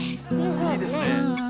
いいですねえ。